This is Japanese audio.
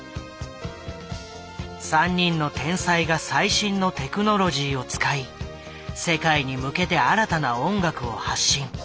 ３人の天才が最新のテクノロジーを使い世界に向けて新たな音楽を発信。